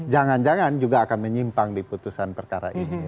jangan jangan juga akan menyimpang di putusan perkara ini